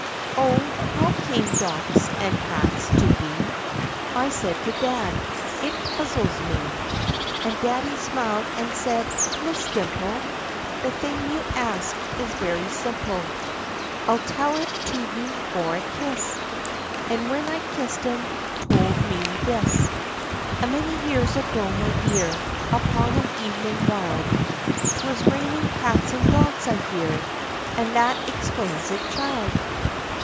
"Oh, how came dogs and cats to be*?" I said to dad; "it puzzles me." And daddy smiled and said, "Miss Dimple, The thing you ask is very simple. I 'll tell it to you for a kiss," And, when I 'd kissed him, told me this : "A many years ago , my dear , Upon an evening wild 'T was raining cats and dogs , I hear , And that explains it, child."